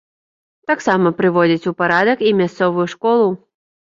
Таксама прыводзяць у парадак і мясцовую школу.